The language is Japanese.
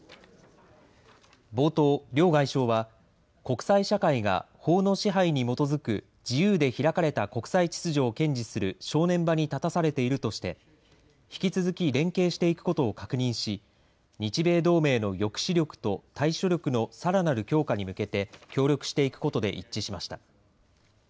冒頭、両外相は国際社会が法の支配に基づく自由で開かれた国際秩序を堅持する正念場に立たされているとして引き続き連携していくことを確認し日米同盟の抑止力と対処力のさらなる強化に向けて協力していくことで一致しました。